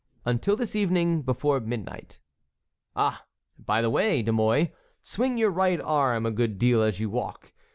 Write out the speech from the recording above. "Until this evening, before midnight." "Ah! by the way, De Mouy, swing your right arm a good deal as you walk.